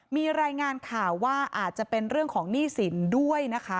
มีรายงานข่าวว่าอาจจะเป็นเรื่องของหนี้สินด้วยนะคะ